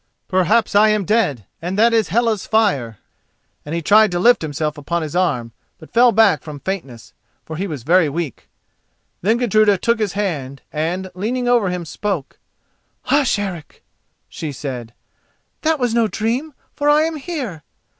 Perhaps I am dead and that is Hela's fire," and he tried to lift himself upon his arm, but fell back from faintness, for he was very weak. Then Gudruda took his hand, and, leaning over him, spoke: "Hush, Eric!" she said; "that was no dream, for I am here.